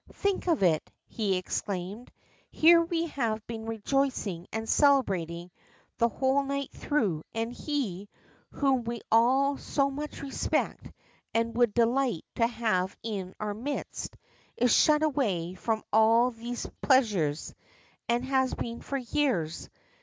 Think of it !'' he exclaimed. Here we have been rejoicing and celebrating the whole night through, and he, whom we all so much respect and would delight to have in our midst, is shut away from all these pleasures, and has been for years.